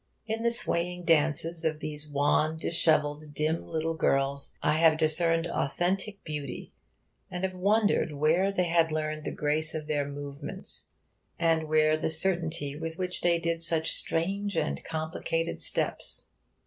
In the swaying dances of these wan, dishevelled, dim little girls I have discerned authentic beauty, and have wondered where they had learned the grace of their movements, and where the certainty with which they did such strange and complicated steps.